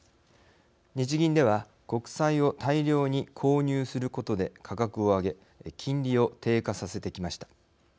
日銀では国債を大量に購入することで価格を上げ金利を低下させてきました。